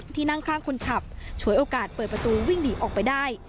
นั่งข้างคนขับฉวยโอกาสเปิดประตูวิ่งหนีออกไปได้